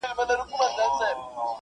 حاکم وویل بهتره ځای شېراز دئ